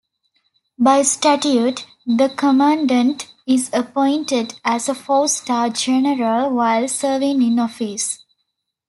By statute, the Commandant is appointed as a four-star general while serving in office.